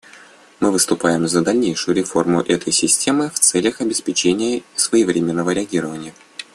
Мы выступаем за дальнейшую реформу этой системы в целях обеспечения своевременного реагирования.